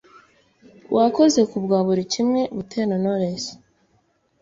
Wakoze kubwa buri kimwe Butera Knowless